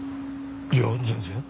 いや全然。